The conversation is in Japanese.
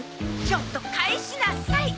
ちょっと返しなさい！